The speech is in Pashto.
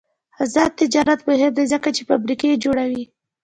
آزاد تجارت مهم دی ځکه چې فابریکې جوړوي.